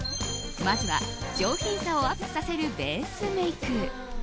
まずは上品さをアップさせるベースメイク。